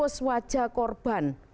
jangan expose wajah korban